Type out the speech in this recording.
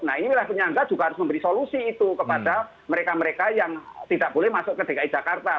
nah ini wilayah penyangga juga harus memberi solusi itu kepada mereka mereka yang tidak boleh masuk ke dki jakarta